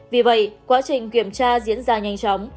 vì vậy quá trình kiểm tra diễn ra nhanh chóng